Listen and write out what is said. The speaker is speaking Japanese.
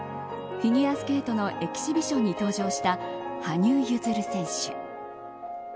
フィギュアスケートのエキシビションに登場した羽生結弦選手。